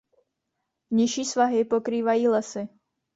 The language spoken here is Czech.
Nižší svahy pokrývají lesy.